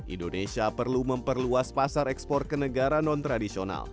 indonesia perlu memperluas pasar ekspor ke negara non tradisional